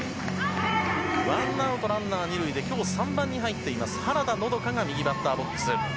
ワンアウト、ランナー２塁で、きょう３番に入っています原田のどかが右バッターボックス。